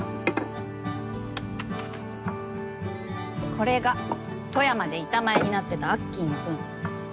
これが富山で板前になってたアッキーの分。